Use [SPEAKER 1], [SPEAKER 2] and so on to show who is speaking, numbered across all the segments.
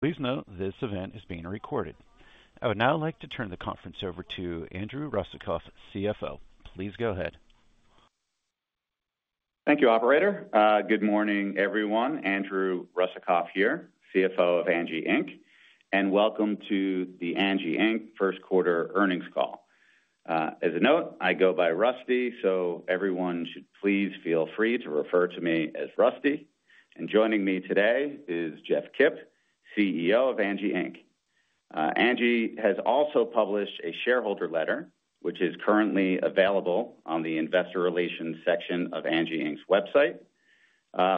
[SPEAKER 1] Please note this event is being recorded. I would now like to turn the conference over to Andrew Russakoff, CFO. Please go ahead.
[SPEAKER 2] Thank you, Operator. Good morning, everyone. Andrew Russakoff here, CFO of Angi Inc, and welcome to the Angi Inc first quarter earnings call. As a note, I go by Rusty, so everyone should please feel free to refer to me as Rusty. Joining me today is Jeff Kip, CEO of Angi Inc. Angi has also published a shareholder letter, which is currently available on the investor relations section of Angi Inc's website.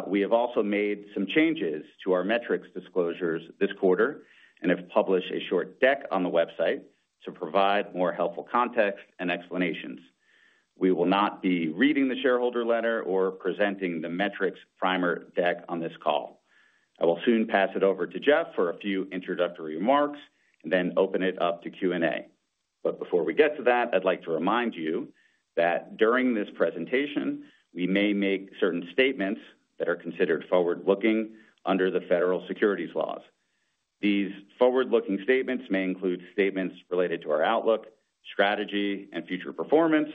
[SPEAKER 2] We have also made some changes to our metrics disclosures this quarter and have published a short deck on the website to provide more helpful context and explanations. We will not be reading the shareholder letter or presenting the metrics primer deck on this call. I will soon pass it over to Jeff for a few introductory remarks and then open it up to Q&A. Before we get to that, I'd like to remind you that during this presentation, we may make certain statements that are considered forward-looking under the federal securities laws. These forward-looking statements may include statements related to our outlook, strategy, and future performance,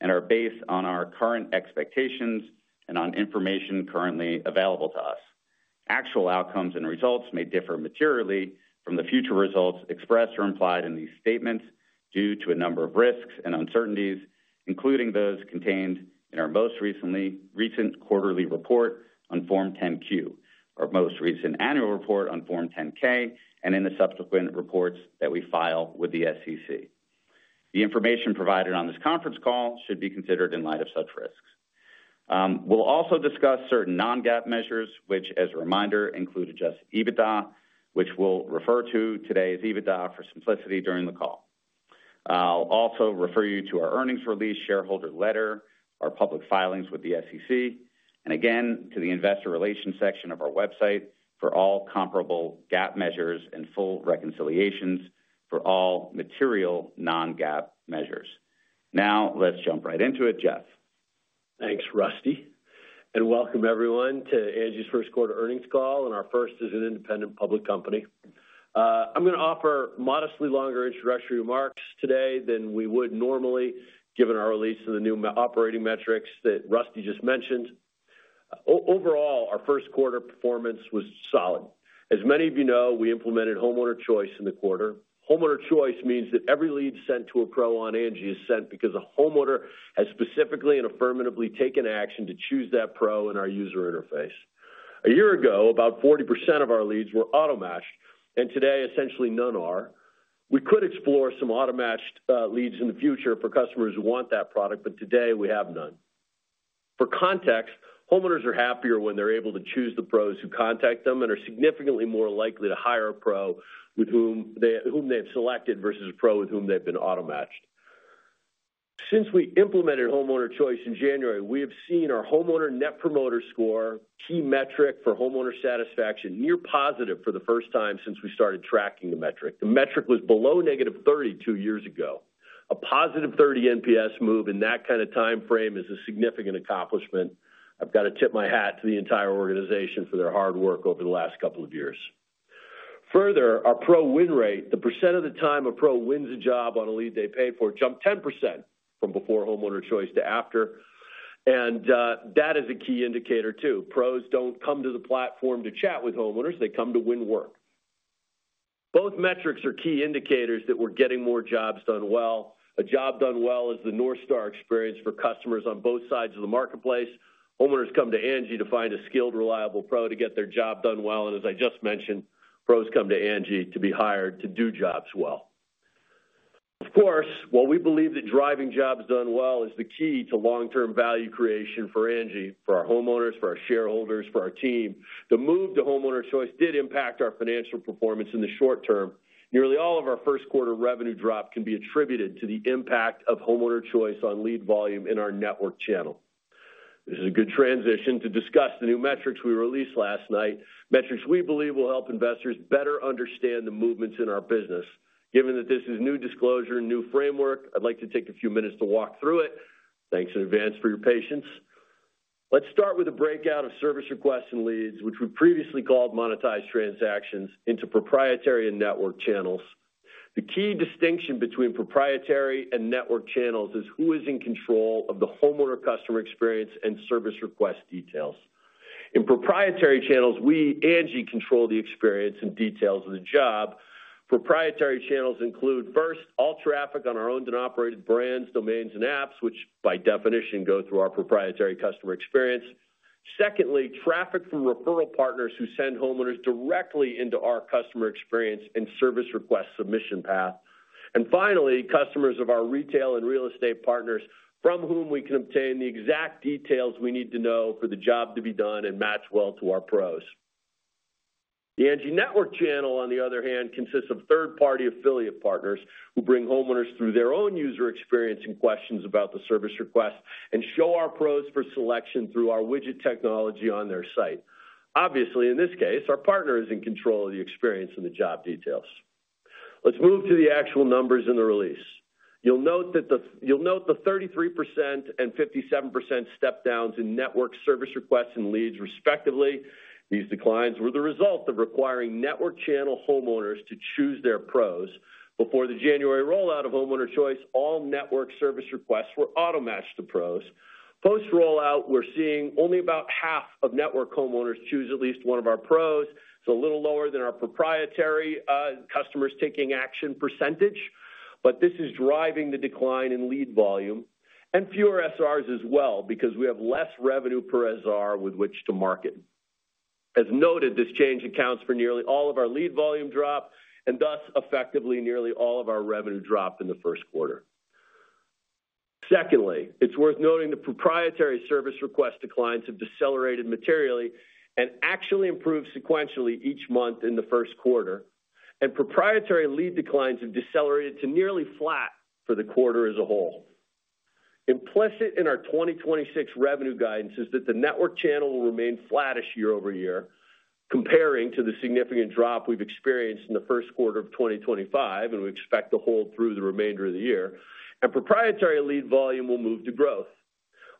[SPEAKER 2] and are based on our current expectations and on information currently available to us. Actual outcomes and results may differ materially from the future results expressed or implied in these statements due to a number of risks and uncertainties, including those contained in our most recent quarterly report on Form 10Q, our most recent annual report on Form 10K, and in the subsequent reports that we file with the SEC. The information provided on this conference call should be considered in light of such risks. We'll also discuss certain non-GAAP measures, which, as a reminder, include adjusted EBITDA, which we'll refer to today as EBITDA for simplicity during the call. I'll also refer you to our earnings release shareholder letter, our public filings with the SEC, and again, to the investor relations section of our website for all comparable GAAP measures and full reconciliations for all material non-GAAP measures. Now, let's jump right into it, Jeff.
[SPEAKER 3] Thanks, Rusty. Welcome, everyone, to Angi's first quarter earnings call. Our first as an independent public company. I'm going to offer modestly longer introductory remarks today than we would normally, given our release of the new operating metrics that Rusty just mentioned. Overall, our first quarter performance was solid. As many of you know, we implemented homeowner choice in the quarter. Homeowner choice means that every lead sent to a pro on Angi is sent because a homeowner has specifically and affirmatively taken action to choose that pro in our user interface. A year ago, about 40% of our leads were auto-matched, and today, essentially none are. We could explore some auto-matched leads in the future for customers who want that product, but today we have none. For context, homeowners are happier when they're able to choose the Pros who contact them and are significantly more likely to hire a pro with whom they have selected versus a pro with whom they've been auto-matched. Since we implemented homeowner choice in January, we have seen our homeowner Net Promoter Score, key metric for homeowner satisfaction, near positive for the first time since we started tracking the metric. The metric was below negative 30 two years ago. A positive 30 NPS move in that kind of timeframe is a significant accomplishment. I've got to tip my hat to the entire organization for their hard work over the last couple of years. Further, our pro win rate, the percent of the time a pro wins a job on a lead they pay for, jumped 10% from before homeowner choice to after. That is a key indicator, too. Pros do not come to the platform to chat with homeowners. They come to win work. Both metrics are key indicators that we are getting more jobs done well. A job done well is the North Star experience for customers on both sides of the marketplace. Homeowners come to Angi to find a skilled, reliable pro to get their job done well. As I just mentioned, pros come to Angi to be hired to do jobs well. Of course, while we believe that driving jobs done well is the key to long-term value creation for Angi, for our homeowners, for our shareholders, for our team, the move to homeowner choice did impact our financial performance in the short term. Nearly all of our first quarter revenue drop can be attributed to the impact of homeowner choice on lead volume in our network channel. This is a good transition to discuss the new metrics we released last night, metrics we believe will help investors better understand the movements in our business. Given that this is new disclosure and new framework, I'd like to take a few minutes to walk through it. Thanks in advance for your patience. Let's start with a breakout of Service Requests and Leads, which we previously called monetized transactions, into Proprietary and Network channels. The key distinction between Proprietary and Network Channels is who is in control of the homeowner customer experience and service request details. In Proprietary Channels, we, Angi, control the experience and details of the job. Proprietary channels include first, all traffic on our owned and operated brands, domains, and apps, which by definition go through our proprietary customer experience. Secondly, traffic from referral partners who send homeowners directly into our customer experience and service request submission path. Finally, customers of our retail and real estate partners from whom we can obtain the exact details we need to know for the job to be done and match well to our pros. The Angi Network Channel, on the other hand, consists of third-party affiliate partners who bring homeowners through their own user experience and questions about the service request and show our pros for selection through our widget technology on their site. Obviously, in this case, our partner is in control of the experience and the job details. Let's move to the actual numbers in the release. You'll note the 33% and 57% step-downs to network service requests and leads, respectively. These declines were the result of requiring network channel homeowners to choose their pros. Before the January rollout of Homeowner Choice, all network service requests were auto-matched to pros. Post-rollout, we're seeing only about half of network homeowners choose at least one of our pros. It's a little lower than our proprietary customers taking action percentage, but this is driving the decline in lead volume and fewer SRs as well because we have less revenue per SR with which to market. As noted, this change accounts for nearly all of our lead volume drop and thus effectively nearly all of our revenue drop in the first quarter. Secondly, it's worth noting the proprietary service request declines have decelerated materially and actually improved sequentially each month in the first quarter. Proprietary lead declines have decelerated to nearly flat for the quarter as a whole. Implicit in our 2026 revenue guidance is that the network channel will remain flat year-over-year, comparing to the significant drop we have experienced in the first quarter of 2025, and we expect to hold through the remainder of the year. Proprietary lead volume will move to growth.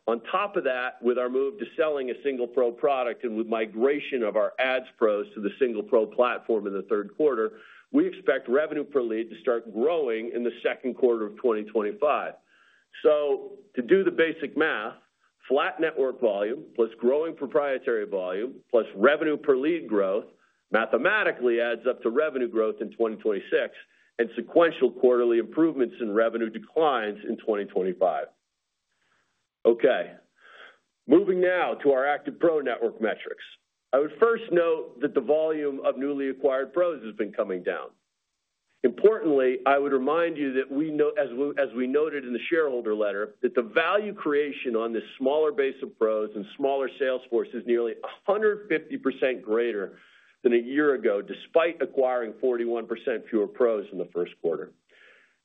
[SPEAKER 3] On top of that, with our move to selling a single pro product and with migration of our Ads pros to the single pro platform in the third quarter, we expect revenue per lead to start growing in the second quarter of 2025. To do the basic math, flat network volume plus growing proprietary volume plus revenue per lead growth mathematically adds up to revenue growth in 2026 and sequential quarterly improvements in revenue declines in 2025. Okay. Moving now to our active pro network metrics. I would first note that the volume of newly acquired pros has been coming down. Importantly, I would remind you that we know, as we noted in the shareholder letter, that the value creation on this smaller base of pros and smaller sales force is nearly 150% greater than a year ago, despite acquiring 41% fewer pros in the first quarter.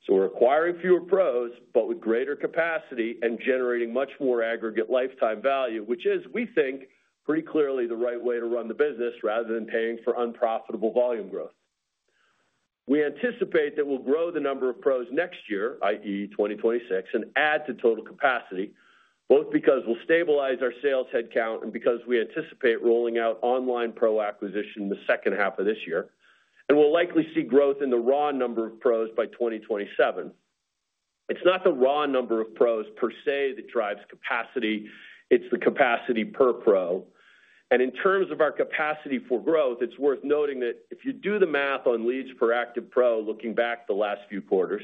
[SPEAKER 3] We are acquiring fewer pros, but with greater capacity and generating much more aggregate lifetime value, which is, we think, pretty clearly the right way to run the business rather than paying for unprofitable volume growth. We anticipate that we will grow the number of pros next year, i.e., 2026, and add to total capacity, both because we will stabilize our sales headcount and because we anticipate rolling out online pro acquisition in the second half of this year. We will likely see growth in the raw number of pros by 2027. It is not the raw number of pros, per se, that drives capacity. It is the capacity per pro. In terms of our capacity for growth, it is worth noting that if you do the math on leads per active pro looking back the last few quarters,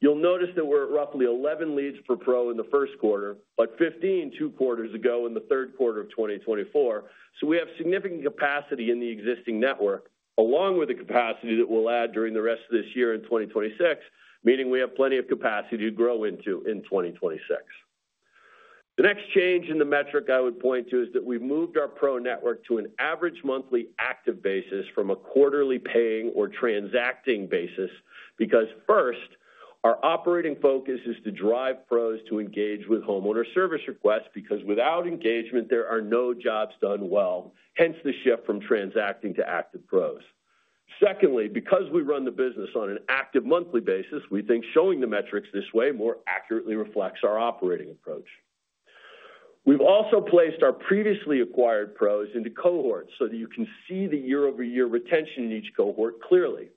[SPEAKER 3] you will notice that we are at roughly 11 leads per pro in the first quarter, but 15 two quarters ago in the third quarter of 2024. We have significant capacity in the existing network, along with the capacity that we will add during the rest of this year in 2026, meaning we have plenty of capacity to grow into in 2026. The next change in the metric I would point to is that we've moved our pro network to an average monthly active basis from a quarterly paying or transacting basis because, first, our operating focus is to drive pros to engage with homeowner service requests because without engagement, there are no jobs done well. Hence the shift from transacting to active pros. Secondly, because we run the business on an active monthly basis, we think showing the metrics this way more accurately reflects our operating approach. We've also placed our previously acquired pros into cohorts so that you can see the year-over-year retention in each cohort clearly.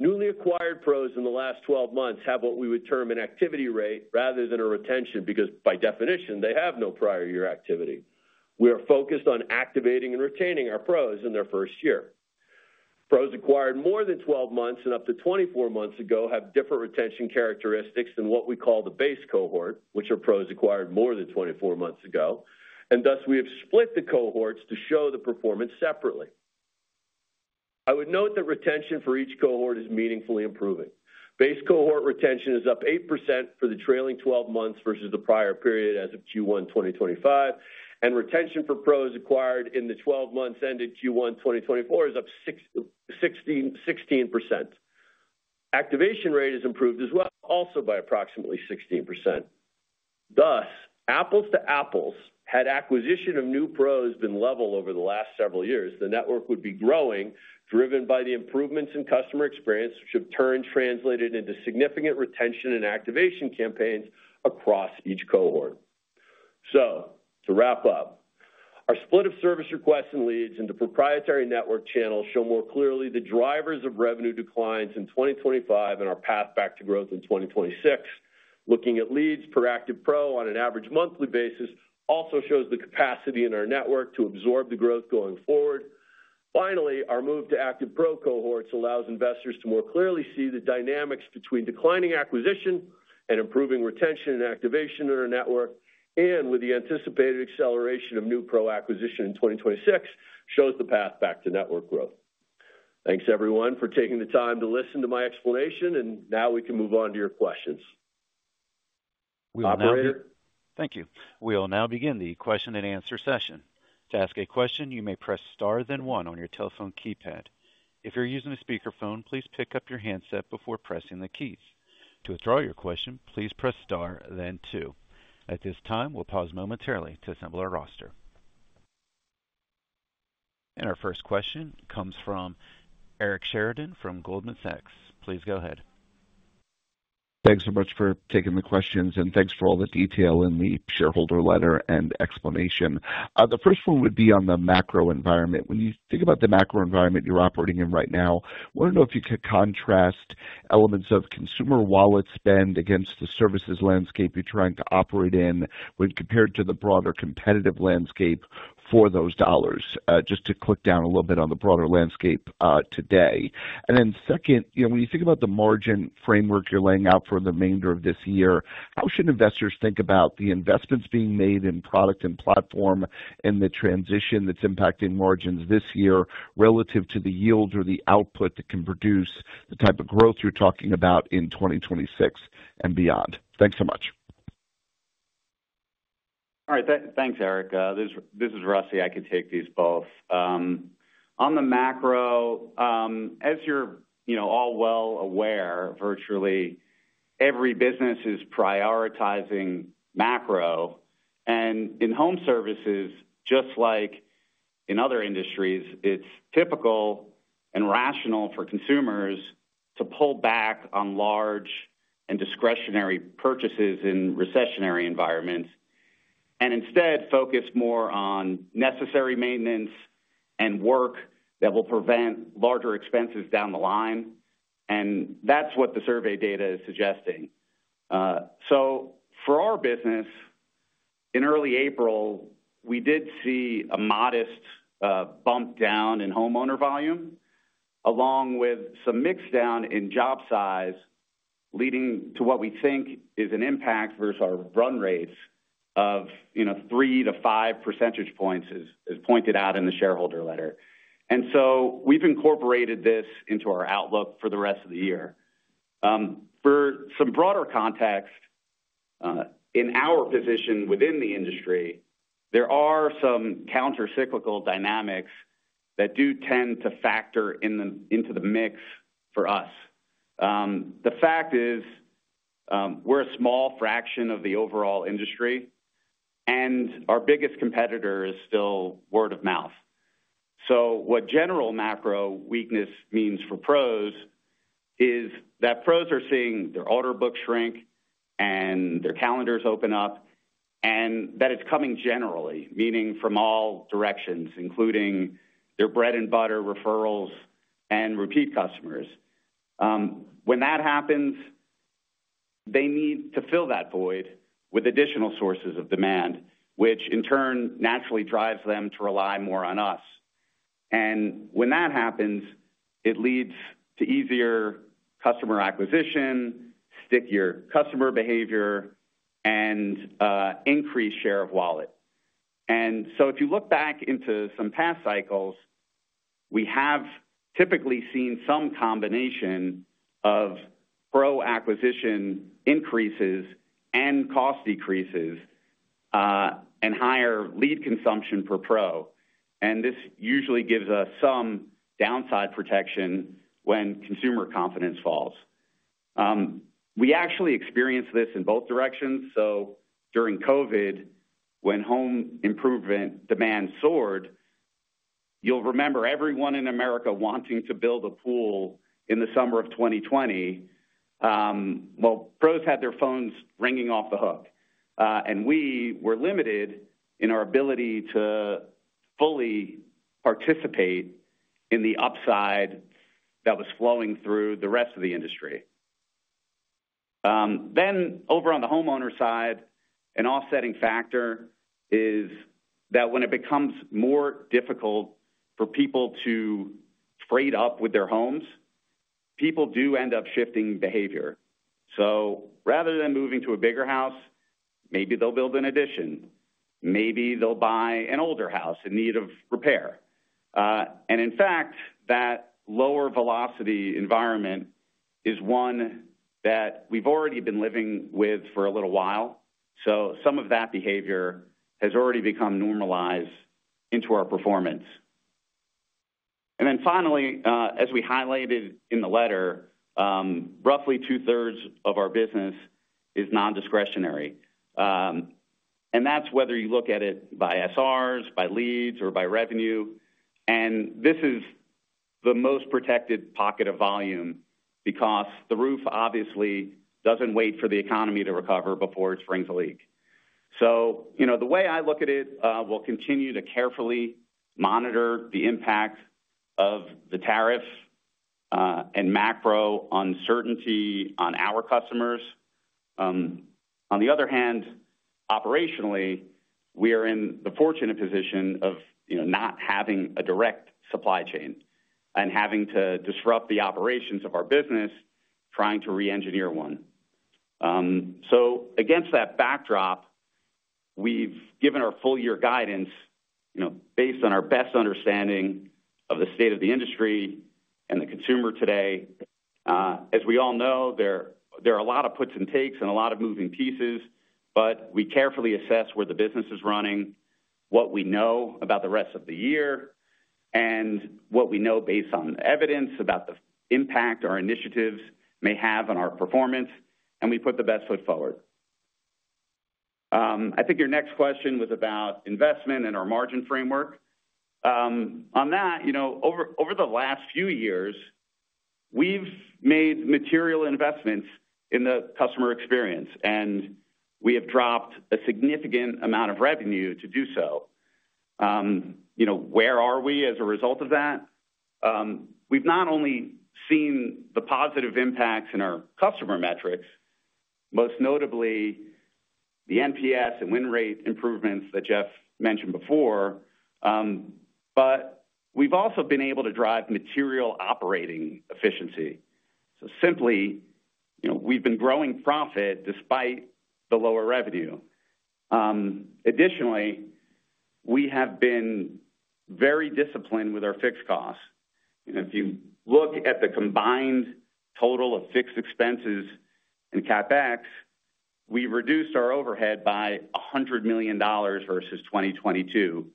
[SPEAKER 3] Newly acquired Pros in the last 12 months have what we would term an activity rate rather than a retention because, by definition, they have no prior year activity. We are focused on activating and retaining our pros in their first year. Pros acquired more than 12 months and up to 24 months ago have different retention characteristics than what we call the base cohort, which are pros acquired more than 24 months ago. Thus, we have split the cohorts to show the performance separately. I would note that retention for each cohort is meaningfully improving. Base cohort retention is up 8% for the trailing 12 months versus the prior period as of Q1 2025. Retention for pros acquired in the 12 months ended Q1 2024 is up 16%. Activation rate has improved as well, also by approximately 16%. Thus, apples-to-apples, had acquisition of new pros been level over the last several years, the network would be growing, driven by the improvements in customer experience, which have translated into significant retention and activation campaigns across each cohort. To wrap up, our split of service requests and leads into Proprietary Network Channels show more clearly the drivers of revenue declines in 2025 and our path back to growth in 2026. Looking at leads per active pro on an average monthly basis also shows the capacity in our network to absorb the growth going forward. Finally, our move to active pro cohorts allows investors to more clearly see the dynamics between declining acquisition and improving retention and activation in our network, and with the anticipated acceleration of new pro acquisition in 2026, shows the path back to network growth. Thanks, everyone, for taking the time to listen to my explanation, and now we can move on to your questions. Operator.
[SPEAKER 1] Thank you. We'll now begin the question and answer session. To ask a question, you may press star then one on your telephone keypad. If you're using a speakerphone, please pick up your handset before pressing the keys. To withdraw your question, please press star then two. At this time, we'll pause momentarily to assemble our roster. Our first question comes from Eric Sheridan from Goldman Sachs. Please go ahead.
[SPEAKER 4] Thanks so much for taking the questions, and thanks for all the detail in the shareholder letter and explanation. The first one would be on the macro environment. When you think about the macro environment you're operating in right now, I want to know if you could contrast elements of consumer wallet spend against the services landscape you're trying to operate in when compared to the broader competitive landscape for those dollars, just to click down a little bit on the broader landscape today. The second, when you think about the margin framework you're laying out for the remainder of this year, how should investors think about the investments being made in product and platform and the transition that's impacting margins this year relative to the yields or the output that can produce the type of growth you're talking about in 2026 and beyond? Thanks so much.
[SPEAKER 2] All right. Thanks, Eric. This is Russy. I can take these both. On the macro, as you're all well aware, virtually every business is prioritizing macro. In home services, just like in other industries, it's typical and rational for consumers to pull back on large and discretionary purchases in recessionary environments and instead focus more on necessary maintenance and work that will prevent larger expenses down the line. That's what the survey data is suggesting. For our business, in early April, we did see a modest bump down in homeowner volume, along with some mixdown in job size, leading to what we think is an impact versus our run rates of 3-5 percentage points, as pointed out in the shareholder letter. We've incorporated this into our outlook for the rest of the year. For some broader context, in our position within the industry, there are some countercyclical dynamics that do tend to factor into the mix for us. The fact is we're a small fraction of the overall industry, and our biggest competitor is still word of mouth. What general macro weakness means for pros is that pros are seeing their order books shrink and their calendars open up, and that it's coming generally, meaning from all directions, including their bread-and-butter referrals and repeat customers. When that happens, they need to fill that void with additional sources of demand, which in turn naturally drives them to rely more on us. When that happens, it leads to easier customer acquisition, stickier customer behavior, and increased share of wallet. If you look back into some past cycles, we have typically seen some combination of pro acquisition increases and cost decreases and higher lead consumption per pro. This usually gives us some downside protection when consumer confidence falls. We actually experienced this in both directions. During COVID, when home improvement demand soared, you'll remember everyone in America wanting to build a pool in the summer of 2020. Pros had their phones ringing off the hook, and we were limited in our ability to fully participate in the upside that was flowing through the rest of the industry. Over on the homeowner side, an offsetting factor is that when it becomes more difficult for people to trade up with their homes, people do end up shifting behavior. Rather than moving to a bigger house, maybe they'll build an addition. Maybe they'll buy an older house in need of repair. In fact, that lower velocity environment is one that we've already been living with for a little while. Some of that behavior has already become normalized into our performance. Finally, as we highlighted in the letter, roughly 2/3 of our business is non-discretionary. That's whether you look at it by SRs, by leads, or by revenue. This is the most protected pocket of volume because the roof obviously does not wait for the economy to recover before it springs a leak. The way I look at it, we'll continue to carefully monitor the impact of the tariffs and macro uncertainty on our customers. On the other hand, operationally, we are in the fortunate position of not having a direct supply chain and having to disrupt the operations of our business trying to re-engineer one. Against that backdrop, we've given our full-year guidance based on our best understanding of the state of the industry and the consumer today. As we all know, there are a lot of puts and takes and a lot of moving pieces, but we carefully assess where the business is running, what we know about the rest of the year, and what we know based on evidence about the impact our initiatives may have on our performance, and we put the best foot forward. I think your next question was about investment and our margin framework. On that, over the last few years, we've made material investments in the customer experience, and we have dropped a significant amount of revenue to do so. Where are we as a result of that? We've not only seen the positive impacts in our customer metrics, most notably the NPS and win rate improvements that Jeff mentioned before, but we've also been able to drive material operating efficiency. Simply, we've been growing profit despite the lower revenue. Additionally, we have been very disciplined with our fixed costs. If you look at the combined total of fixed expenses and CapEx, we reduced our overhead by $100 million versus 2022.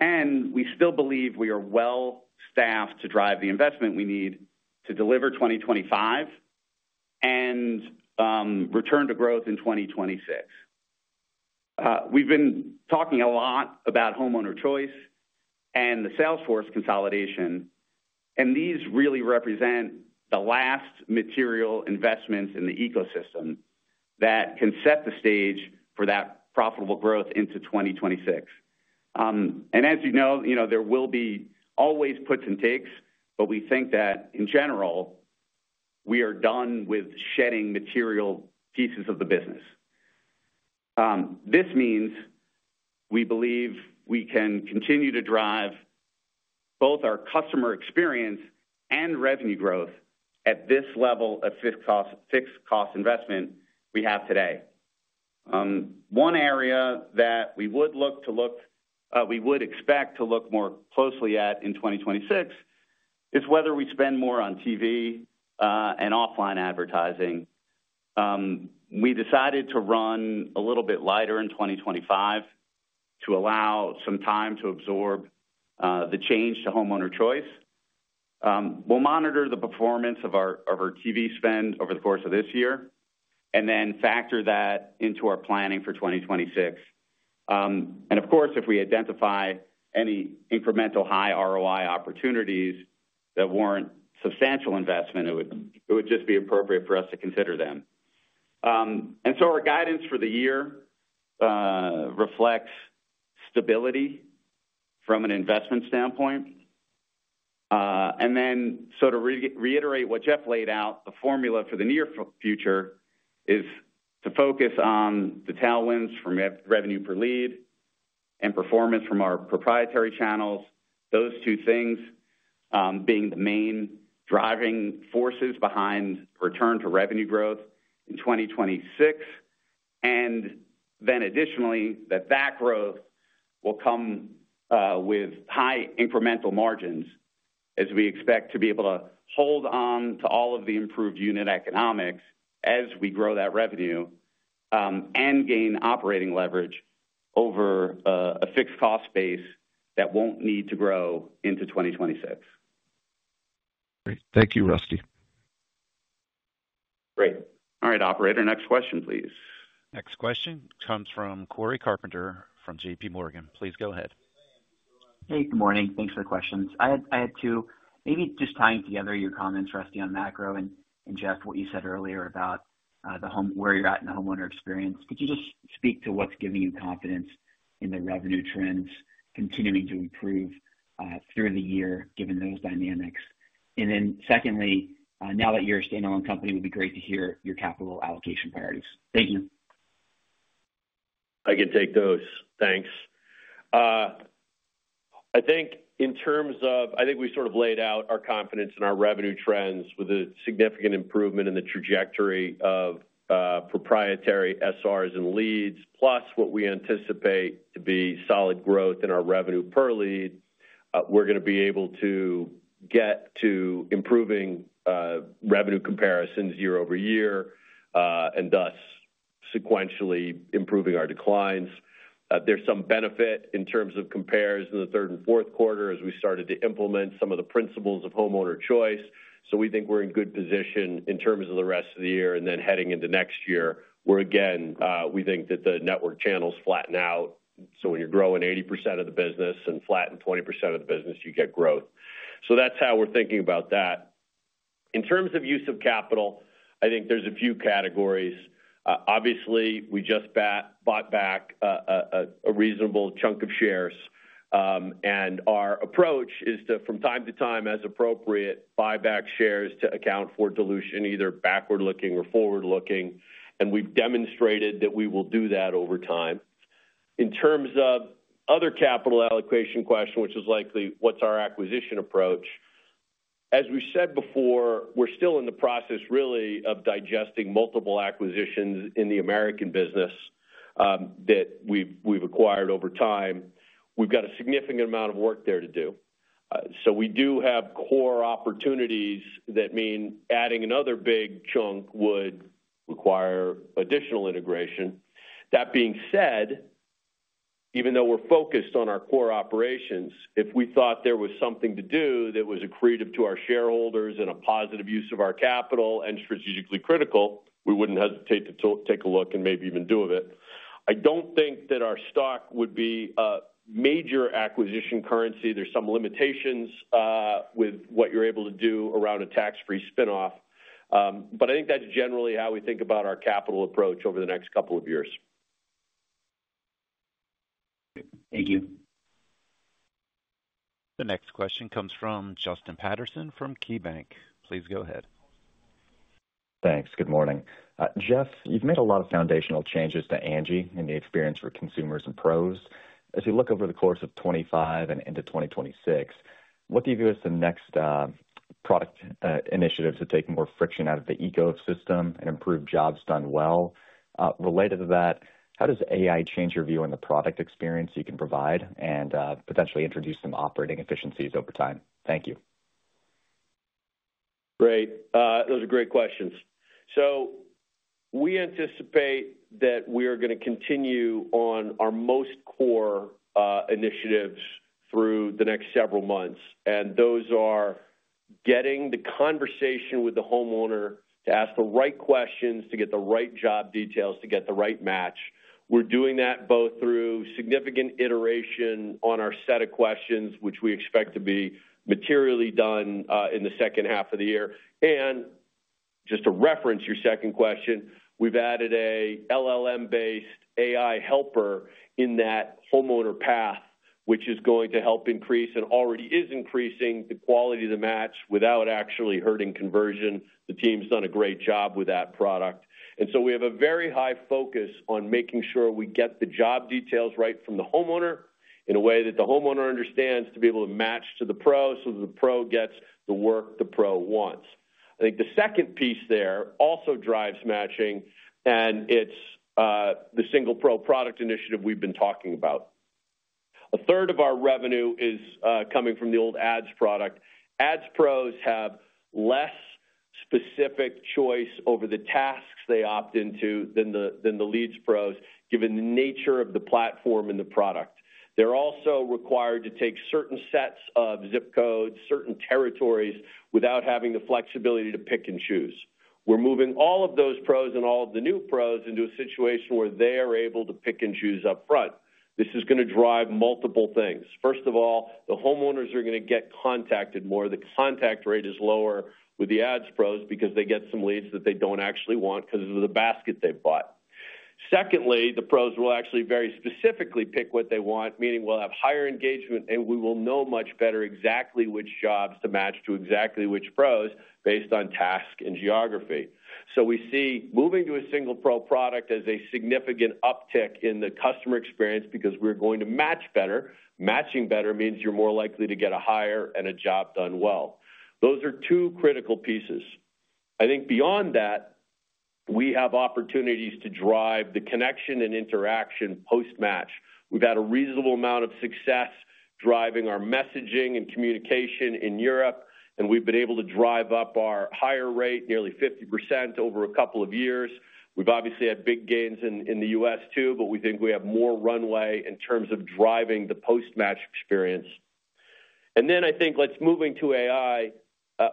[SPEAKER 2] We still believe we are well-staffed to drive the investment we need to deliver 2025 and return to growth in 2026. We've been talking a lot about homeowner choice and the sales force consolidation, and these really represent the last material investments in the ecosystem that can set the stage for that profitable growth into 2026. As you know, there will be always puts and takes, but we think that in general, we are done with shedding material pieces of the business. This means we believe we can continue to drive both our customer experience and revenue growth at this level of fixed cost investment we have today. One area that we would expect to look more closely at in 2026 is whether we spend more on TV and offline advertising. We decided to run a little bit lighter in 2025 to allow some time to absorb the change to homeowner choice. We will monitor the performance of our TV spend over the course of this year and then factor that into our planning for 2026. Of course, if we identify any incremental high ROI opportunities that warrant substantial investment, it would just be appropriate for us to consider them. Our guidance for the year reflects stability from an investment standpoint. To reiterate what Jeff laid out, the formula for the near future is to focus on the tailwinds from revenue per lead and performance from our proprietary channels, those two things being the main driving forces behind return to revenue growth in 2026. Additionally, that growth will come with high incremental margins as we expect to be able to hold on to all of the improved unit economics as we grow that revenue and gain operating leverage over a fixed cost base that will not need to grow into 2026.
[SPEAKER 4] Great. Thank you, Rusty.
[SPEAKER 2] Great. All right, Operator, next question, please.
[SPEAKER 1] Next question comes from Cory Carpenter from JP Morgan. Please go ahead.
[SPEAKER 5] Hey, good morning. Thanks for the questions. I had two. Maybe just tying together your comments, Rusty, on macro and Jeff, what you said earlier about where you're at in the homeowner experience. Could you just speak to what's giving you confidence in the revenue trends continuing to improve through the year given those dynamics? Secondly, now that you're a standalone company, it would be great to hear your capital allocation priorities. Thank you.
[SPEAKER 3] I can take those. Thanks. I think in terms of, I think we sort of laid out our confidence in our revenue trends with a significant improvement in the trajectory of proprietary SRs and leads, plus what we anticipate to be solid growth in our revenue per lead. We're going to be able to get to improving revenue comparisons year-over-year and thus sequentially improving our declines. There is some benefit in terms of comparisons in the third and fourth quarter as we started to implement some of the principles of homeowner choice. We think we're in good position in terms of the rest of the year. Then heading into next year, again, we think that the network channels flatten out. When you're growing 80% of the business and flatten 20% of the business, you get growth. That's how we're thinking about that. In terms of use of capital, I think there's a few categories. Obviously, we just bought back a reasonable chunk of shares. Our approach is to, from time to time, as appropriate, buy back shares to account for dilution, either backward-looking or forward-looking. We've demonstrated that we will do that over time. In terms of other capital allocation question, which is likely what's our acquisition approach, as we said before, we're still in the process really of digesting multiple acquisitions in the American business that we've acquired over time. We've got a significant amount of work there to do. We do have core opportunities that mean adding another big chunk would require additional integration. That being said, even though we're focused on our core operations, if we thought there was something to do that was accretive to our shareholders and a positive use of our capital and strategically critical, we wouldn't hesitate to take a look and maybe even do it. I don't think that our stock would be a major acquisition currency. There are some limitations with what you're able to do around a tax-free spin-off. I think that's generally how we think about our capital approach over the next couple of years.
[SPEAKER 5] Thank you.
[SPEAKER 1] The next question comes from Justin Patterson from KeyBanc. Please go ahead.
[SPEAKER 6] Thanks. Good morning. Jeff, you've made a lot of foundational changes to Angi in the experience for consumers and pros. As you look over the course of 2025 and into 2026, what do you view as the next product initiatives to take more friction out of the ecosystem and improve jobs done well? Related to that, how does AI change your view on the product experience you can provide and potentially introduce some operating efficiencies over time? Thank you.
[SPEAKER 3] Great. Those are great questions. We anticipate that we are going to continue on our most core initiatives through the next several months. Those are getting the conversation with the homeowner to ask the right questions to get the right job details to get the right match. We are doing that both through significant iteration on our set of questions, which we expect to be materially done in the second half of the year. Just to reference your second question, we have added an LLM-based AI helper in that homeowner path, which is going to help increase and already is increasing the quality of the match without actually hurting conversion. The team's done a great job with that product. We have a very high focus on making sure we get the job details right from the homeowner in a way that the homeowner understands to be able to match to the pro so that the pro gets the work the pro wants. I think the second piece there also drives matching, and it is the Single Pro Product Initiative we have been talking about. A 1/3 of our revenue is coming from the old Ads Product. Ads pros have less specific choice over the tasks they opt into than the Leads pros, given the nature of the platform and the product. They are also required to take certain sets of ZIP codes, certain territories without having the flexibility to pick and choose. We are moving all of those pros and all of the new pros into a situation where they are able to pick and choose upfront. This is going to drive multiple things. First of all, the homeowners are going to get contacted more. The contact rate is lower with the Ads pros because they get some leads that they do not actually want because of the basket they have bought. Secondly, the pros will actually very specifically pick what they want, meaning we will have higher engagement, and we will know much better exactly which jobs to match to exactly which pros based on task and geography. We see moving to a Single Pro Product as a significant uptick in the customer experience because we are going to match better. Matching better means you are more likely to get a hire and a job done well. Those are two critical pieces. I think beyond that, we have opportunities to drive the connection and interaction post-match. We've had a reasonable amount of success driving our messaging and communication in Europe, and we've been able to drive up our hire rate nearly 50% over a couple of years. We've obviously had big gains in the U.S. too, but we think we have more runway in terms of driving the post-match experience. I think let's move into AI.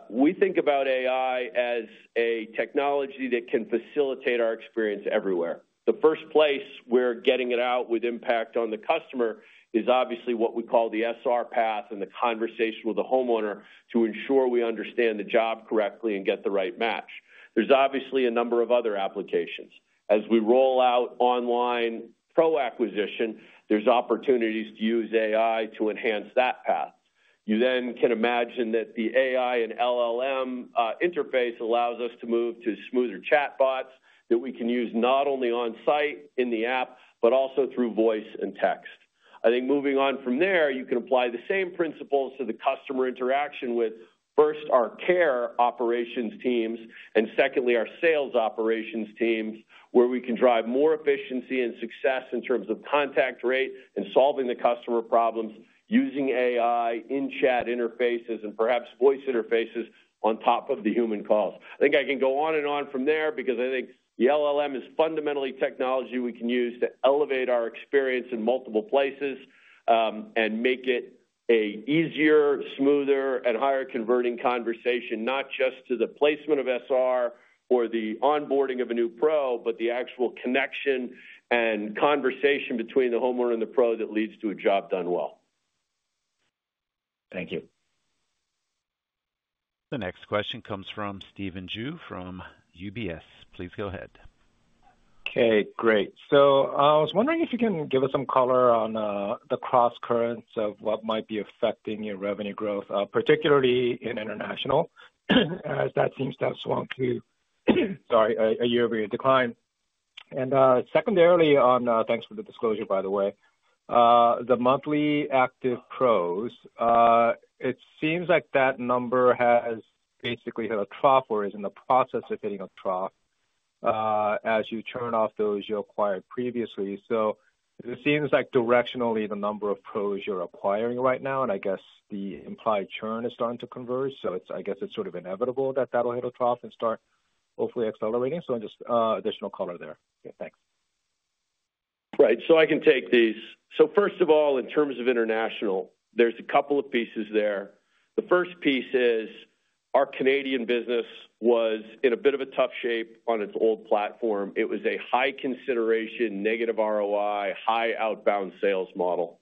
[SPEAKER 3] We think about AI as a technology that can facilitate our experience everywhere. The first place we're getting it out with impact on the customer is obviously what we call the SR path and the conversation with the homeowner to ensure we understand the job correctly and get the right match. There's obviously a number of other applications. As we roll out online pro acquisition, there's opportunities to use AI to enhance that path. You then can imagine that the AI and LLM interface allows us to move to smoother chatbots that we can use not only on-site in the app, but also through voice and text. I think moving on from there, you can apply the same principles to the customer interaction with first our care operations teams and secondly our sales operations teams where we can drive more efficiency and success in terms of contact rate and solving the customer problems using AI in chat interfaces and perhaps voice interfaces on top of the human calls. I think I can go on and on from there because I think the LLM is fundamentally technology we can use to elevate our experience in multiple places and make it an easier, smoother, and higher converting conversation, not just to the placement of SR or the onboarding of a new pro, but the actual connection and conversation between the homeowner and the pro that leads to a job done well.
[SPEAKER 6] Thank you.
[SPEAKER 1] The next question comes from Stephen Ju from UBS. Please go ahead.
[SPEAKER 7] Okay, great. I was wondering if you can give us some color on the cross-currents of what might be affecting your revenue growth, particularly in international, as that seems to have swung to, sorry, a year-over-year decline. Secondarily, thanks for the disclosure, by the way, the monthly active pros, it seems like that number has basically hit a trough or is in the process of hitting a trough as you turn off those you acquired previously. It seems like directionally the number of pros you're acquiring right now, and I guess the implied churn is starting to converge. I guess it's sort of inevitable that that'll hit a trough and start hopefully accelerating. Just additional color there. Thanks.
[SPEAKER 3] Right. I can take these. First of all, in terms of international, there are a couple of pieces there. The first piece is our Canadian business was in a bit of a tough shape on its old platform. It was a high consideration, negative ROI, high outbound sales model.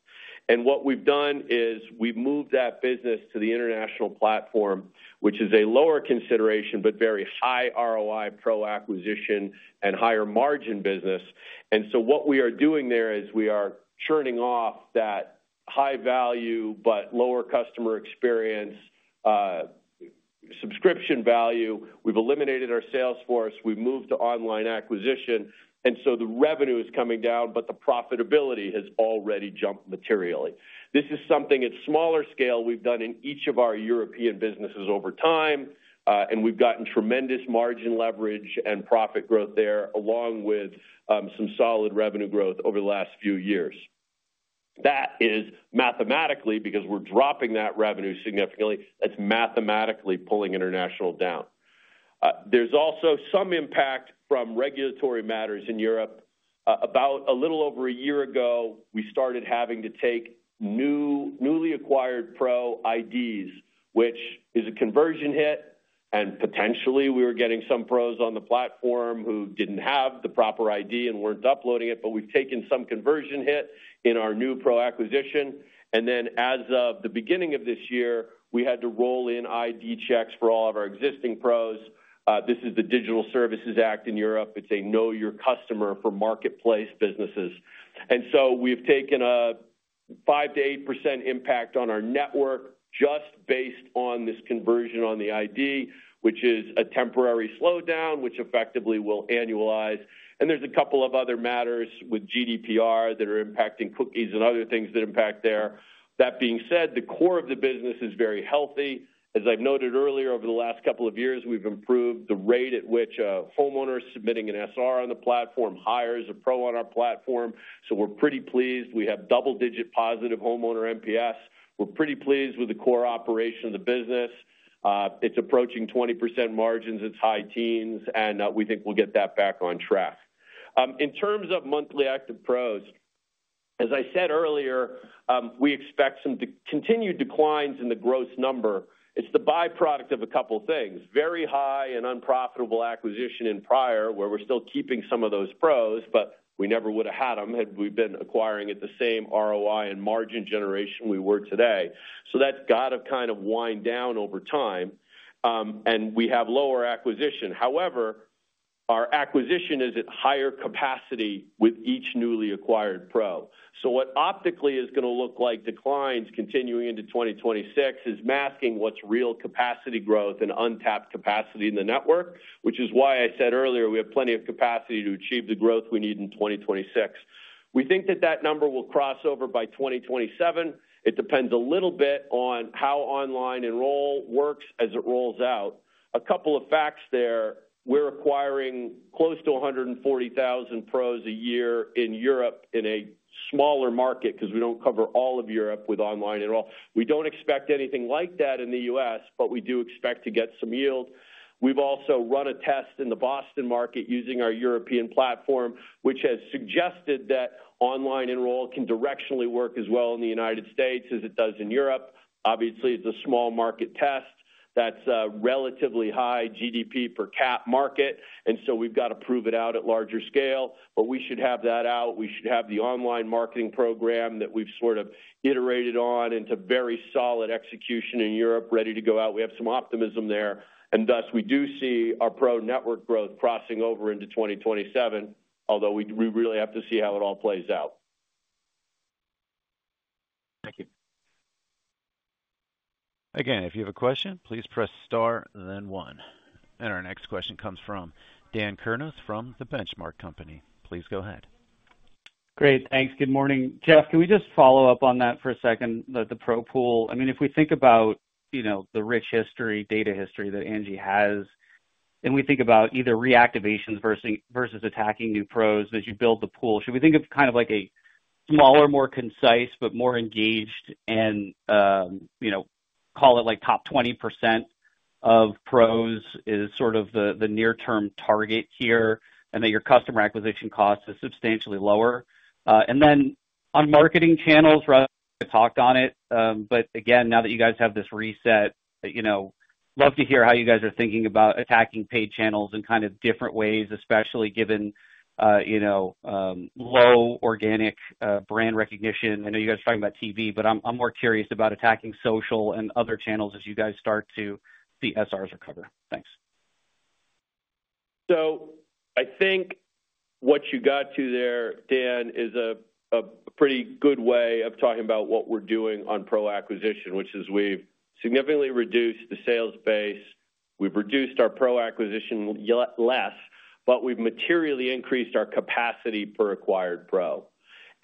[SPEAKER 3] What we have done is we have moved that business to the international platform, which is a lower consideration, but very high ROI pro acquisition and higher-margin business. What we are doing there is we are churning off that high value, but lower customer experience, subscription value. We have eliminated our sales force. We have moved to online acquisition. The revenue is coming down, but the profitability has already jumped materially. This is something at smaller scale we've done in each of our European businesses over time, and we've gotten tremendous margin leverage and profit growth there along with some solid revenue growth over the last few years. That is mathematically, because we're dropping that revenue significantly, that's mathematically pulling international down. There is also some impact from regulatory matters in Europe. About a little over a year ago, we started having to take newly acquired pro-IDs, which is a conversion hit. Potentially we were getting some pros on the platform who didn't have the proper ID and weren't uploading it, but we've taken some conversion hit in our new pro acquisition. As of the beginning of this year, we had to roll in ID checks for all of our existing Pros. This is the Digital Services Act in Europe. It's a know your customer for marketplace businesses. We've taken a 5%-8% impact on our network just based on this conversion on the ID, which is a temporary slowdown, which effectively will annualize. There are a couple of other matters with GDPR that are impacting cookies and other things that impact there. That being said, the core of the business is very healthy. As I've noted earlier, over the last couple of years, we've improved the rate at which a homeowner submitting an SR on the platform hires a pro on our platform. We're pretty pleased. We have double-digit positive homeowner NPS. We're pretty pleased with the core operation of the business. It's approaching 20% margins. It's high teens, and we think we'll get that back on track. In terms of monthly active pros, as I said earlier, we expect some continued declines in the gross number. It's the byproduct of a couple of things. Very high and unprofitable acquisition in prior where we're still keeping some of those pros, but we never would have had them had we been acquiring at the same ROI and margin generation we were today. That's got to kind of wind down over time. We have lower acquisition. However, our acquisition is at higher capacity with each newly acquired pro. What optically is going to look like declines continuing into 2026 is masking what's real capacity growth and untapped capacity in the network, which is why I said earlier we have plenty of capacity to achieve the growth we need in 2026. We think that that number will cross over by 2027. It depends a little bit on how online enroll works as it rolls out. A couple of facts there. We're acquiring close to 140,000 pros a year in Europe in a smaller market because we don't cover all of Europe with online enroll. We don't expect anything like that in the U.S., but we do expect to get some yield. We've also run a test in the Boston market using our European platform, which has suggested that online enroll can directionally work as well in the United States as it does in Europe. Obviously, it's a small market test. That's a relatively high GDP per cap market. We have to prove it out at larger scale, but we should have that out. We should have the online marketing program that we've sort of iterated on into very solid execution in Europe ready to go out. We have some optimism there. We do see our pro network growth crossing over into 2027, although we really have to see how it all plays out.
[SPEAKER 7] Thank you.
[SPEAKER 1] Again, if you have a question, please press star and then one. Our next question comes from Dan Kurnos from the Benchmark Company. Please go ahead.
[SPEAKER 8] Great. Thanks. Good morning. Jeff, can we just follow up on that for a second, the pro pool? I mean, if we think about the rich history, data history that Angi has, and we think about either reactivations versus attacking new pros as you build the pool, should we think of kind of like a smaller, more concise, but more engaged and call it like top 20% of pros is sort of the near-term target here and that your customer acquisition cost is substantially lower. On marketing channels, Ryan talked on it. Again, now that you guys have this reset, I'd love to hear how you guys are thinking about attacking paid channels in kind of different ways, especially given low organic brand recognition. I know you guys are talking about TV, but I'm more curious about attacking social and other channels as you guys start to see SRs recover. Thanks.
[SPEAKER 3] I think what you got to there, Dan, is a pretty good way of talking about what we're doing on pro acquisition, which is we've significantly reduced the sales base. We've reduced our pro acquisition less, but we've materially increased our capacity per acquired pro.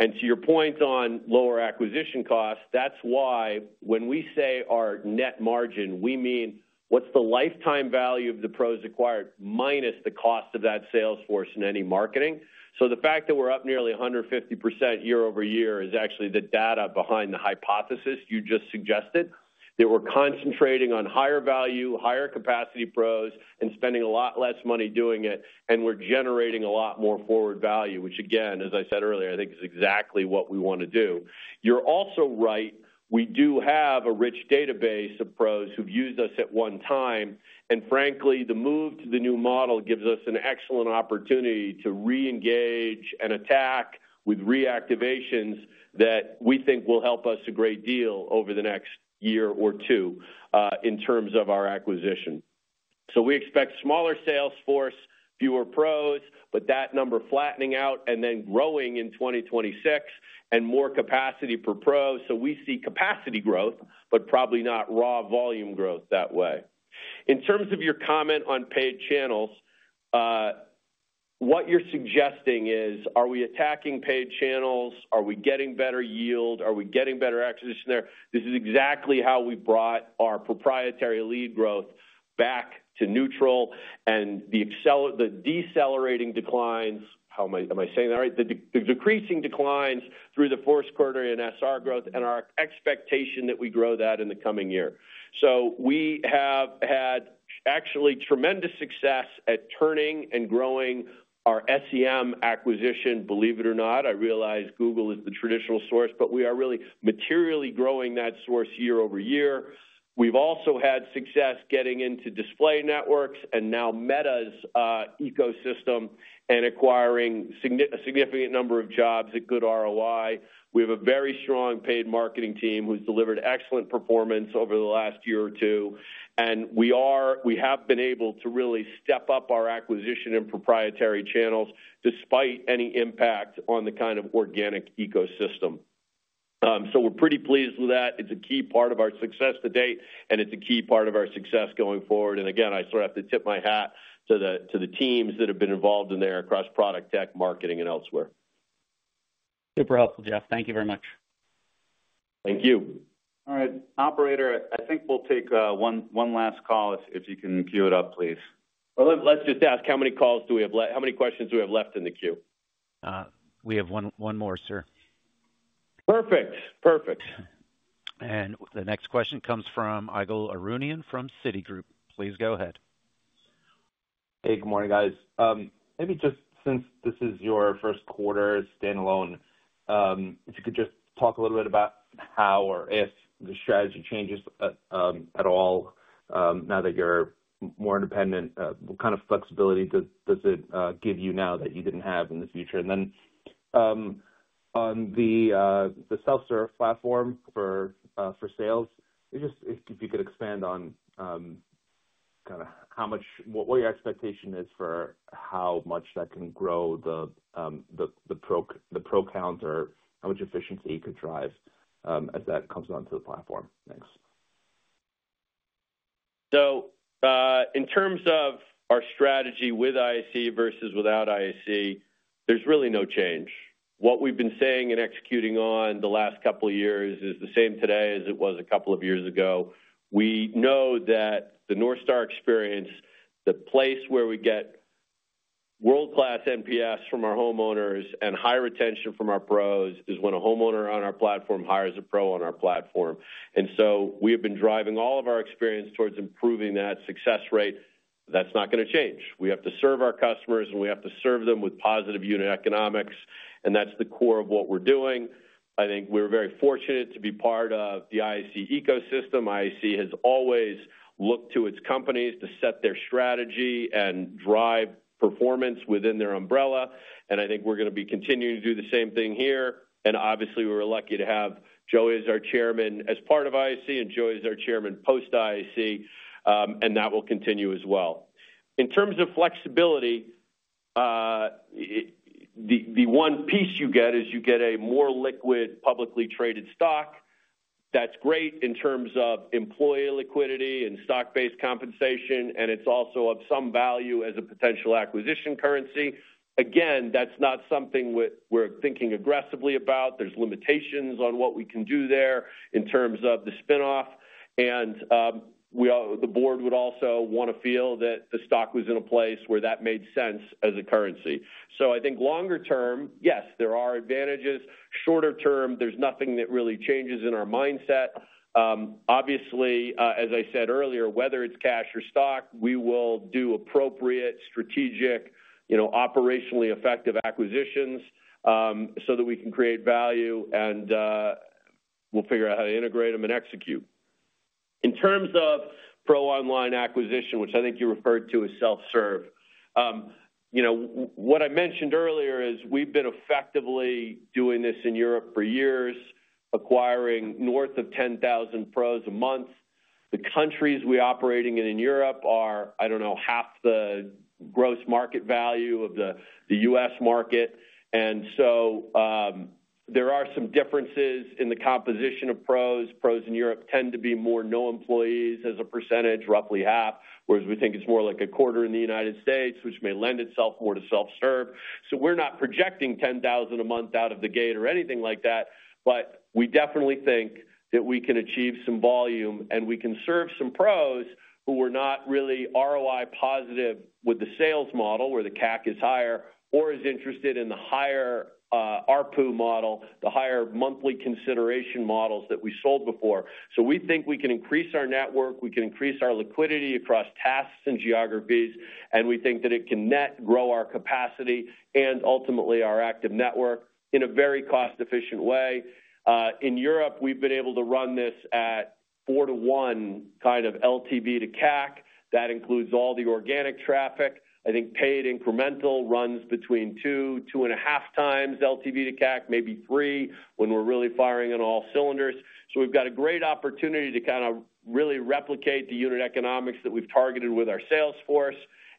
[SPEAKER 3] To your point on lower acquisition costs, that's why when we say our net margin, we mean what's the lifetime value of the pros acquired minus the cost of that sales force and any marketing. The fact that we're up nearly 150% year-over-year is actually the data behind the hypothesis you just suggested. We're concentrating on higher value, higher capacity pros, and spending a lot less money doing it, and we're generating a lot more forward value, which again, as I said earlier, I think is exactly what we want to do. You're also right. We do have a rich database of pros who've used us at one time. Frankly, the move to the new model gives us an excellent opportunity to reengage and attack with reactivations that we think will help us a great deal over the next year or two in terms of our acquisition. We expect smaller sales force, fewer Pros, but that number flattening out and then growing in 2026 and more capacity per pro. We see capacity growth, but probably not raw volume growth that way. In terms of your comment on paid channels, what you're suggesting is, are we attacking paid channels? Are we getting better yield? Are we getting better acquisition there? This is exactly how we brought our proprietary lead growth back to neutral and the decelerating declines. Am I saying that right? The decreasing declines through the fourth quarter in SR growth and our expectation that we grow that in the coming year. We have had actually tremendous success at turning and growing our SCM acquisition. Believe it or not, I realize Google is the traditional source, but we are really materially growing that source year-over-year. We have also had success getting into display networks and now META's ecosystem and acquiring a significant number of jobs at good ROI. We have a very strong paid marketing team who's delivered excellent performance over the last year or two. We have been able to really step up our acquisition and proprietary channels despite any impact on the kind of organic ecosystem. We are pretty pleased with that. It's a key part of our success to date, and it's a key part of our success going forward. I sort of have to tip my hat to the teams that have been involved in there across product, tech, marketing, and elsewhere.
[SPEAKER 8] Super helpful, Jeff. Thank you very much.
[SPEAKER 2] Thank you. All right. Operator, I think we'll take one last call if you can queue it up, please. Let's just ask, how many calls do we have left? How many questions do we have left in the queue?
[SPEAKER 1] We have one more, sir.
[SPEAKER 2] Perfect. Perfect.
[SPEAKER 1] The next question comes from Ygal Arounian from Citigroup. Please go ahead.
[SPEAKER 9] Hey, good morning, guys. Maybe just since this is your first quarter standalone, if you could just talk a little bit about how or if the strategy changes at all now that you're more independent, what kind of flexibility does it give you now that you didn't have in the future? On the self-serve platform for sales, if you could expand on kind of what your expectation is for how much that can grow the pro counts or how much efficiency you could drive as that comes onto the platform. Thanks.
[SPEAKER 3] In terms of our strategy with IAC versus without IAC, there's really no change. What we've been saying and executing on the last couple of years is the same today as it was a couple of years ago. We know that the North Star experience, the place where we get world-class NPS from our homeowners and high retention from our pros, is when a homeowner on our platform hires a pro on our platform. We have been driving all of our experience towards improving that success rate. That's not going to change. We have to serve our customers, and we have to serve them with positive unit economics. That's the core of what we're doing. I think we're very fortunate to be part of the IAC ecosystem. IAC has always looked to its companies to set their strategy and drive performance within their umbrella. I think we're going to be continuing to do the same thing here. Obviously, we were lucky to have Joey as our Chairman as part of IAC and Joey as our Chairman post-IAC. That will continue as well. In terms of flexibility, the one piece you get is you get a more liquid publicly traded stock. That's great in terms of employee liquidity and stock-based compensation. It's also of some value as a potential acquisition currency. Again, that's not something we're thinking aggressively about. There are limitations on what we can do there in terms of the spin-off. The Board would also want to feel that the stock was in a place where that made sense as a currency. I think longer term, yes, there are advantages. Shorter term, there's nothing that really changes in our mindset. Obviously, as I said earlier, whether it's cash or stock, we will do appropriate strategic, operationally effective acquisitions so that we can create value and we'll figure out how to integrate them and execute. In terms of pro online acquisition, which I think you referred to as self-serve, what I mentioned earlier is we've been effectively doing this in Europe for years, acquiring north of 10,000 pros a month. The countries we're operating in in Europe are, I don't know, half the gross market value of the U.S. market. There are some differences in the composition of pros. Pros in Europe tend to be more no employees as a percentage, roughly half, whereas we think it's more like a 1/4 in the United States, which may lend itself more to self-serve. We're not projecting 10,000 a month out of the gate or anything like that, but we definitely think that we can achieve some volume and we can serve some pros who were not really ROI positive with the sales model where the CAC is higher or is interested in the higher ARPU model, the higher monthly consideration models that we sold before. We think we can increase our network, we can increase our liquidity across tasks and geographies, and we think that it can net grow our capacity and ultimately our active network in a very cost-efficient way. In Europe, we've been able to run this at 4-1 kind of LTV to CAC. That includes all the organic traffic. I think paid incremental runs between 2x-2.5x LTV to CAC, maybe 3x when we're really firing on all cylinders. We have a great opportunity to kind of really replicate the unit economics that we've targeted with our sales force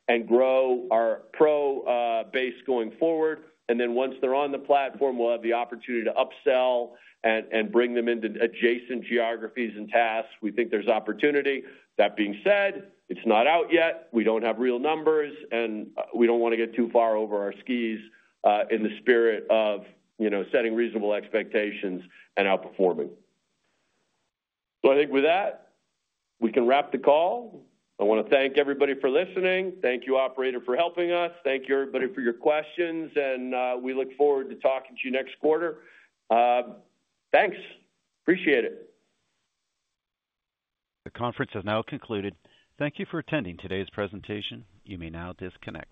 [SPEAKER 3] and grow our pro base going forward. Once they're on the platform, we'll have the opportunity to upsell and bring them into adjacent geographies and tasks. We think there's opportunity. That being said, it's not out yet. We do not have real numbers and we do not want to get too far over our skis in the spirit of setting reasonable expectations and outperforming. I think with that, we can wrap the call. I want to thank everybody for listening. Thank you, operator, for helping us. Thank you, everybody, for your questions. We look forward to talking to you next quarter. Thanks. Appreciate it.
[SPEAKER 1] The conference has now concluded. Thank you for attending today's presentation. You may now disconnect.